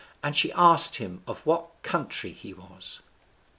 And she asked him of what country he was.